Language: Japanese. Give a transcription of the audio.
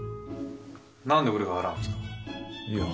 何で俺が払うんですかいや